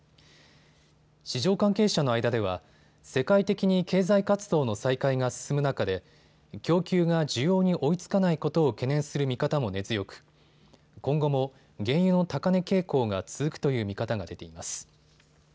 市場関係者の間では世界的に経済活動の再開が進む中で供給が需要に追いつかないことを懸念する見方も根強く、今後も原油の高値傾向が続くという見方が出ています。